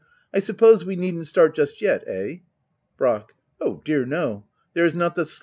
] I suppose we needn't start just yet } Eh ? Brack. Oh, dear no— there is not the slightest hurry.